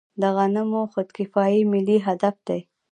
د غنمو خودکفايي ملي هدف دی.